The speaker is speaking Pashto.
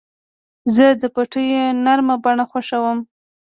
زه د پټیو نرمه بڼه خوښوم.